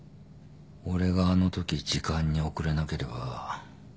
俺があのとき時間に遅れなければ。